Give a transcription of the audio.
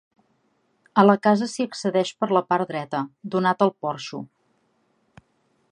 A la casa s'hi accedeix per la part dreta, donat el porxo.